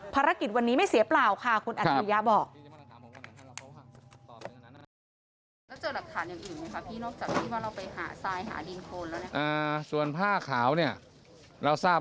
ภารกิจวันนี้ไม่เสียเปล่าค่ะคุณอัจฉริยะบอก